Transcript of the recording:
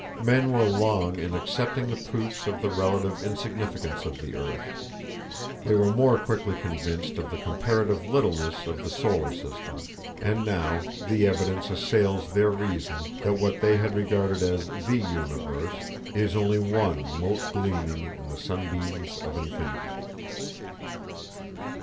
Men were long in accepting the proofs of the relative insignificance of the earth; they were more quickly convinced of the comparative littleness of the solar system; and now the evidence assails their reason that what they had regarded as the universe is only one mote gleaming in the sunbeams of Infinity.